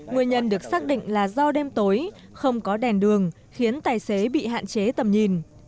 nguyên nhân được xác định là do đêm tối không có đèn đường khiến tài xế bị hạn chế tầm nhìn